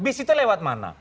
bis itu lewat mana